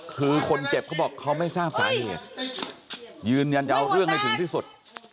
คือคนเจ็บเขาบอกเขาไม่ทราบสาเหตุยืนยันจะเอาเรื่องให้ถึงที่สุด